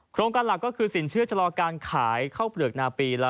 โครงการหลักก็คือสินเชื่อชะลอการขายข้าวเปลือกนาปี